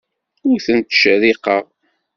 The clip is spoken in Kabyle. Ur ten-ttcerriqeɣ.